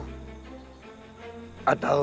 kau pura pura tidak tahu